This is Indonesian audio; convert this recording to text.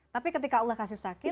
tapi ketika allah kasih sakit